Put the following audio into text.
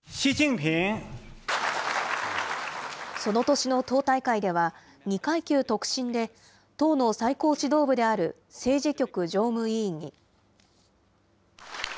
その年の党大会では、２階級特進で党の最高指導部である政治局常務委員に。